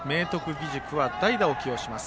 義塾は代打を起用します。